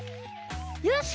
よし！